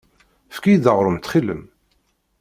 Efk-iyi-d aɣrum ttxil-m.